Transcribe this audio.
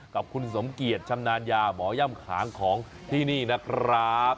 กับคุณสมเกียจชำนาญญาหมอย่ำขางของที่นี่นะครับ